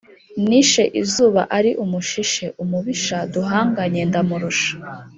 Nishe izuba ari umushishe umubisha duhanganye ndamurusha.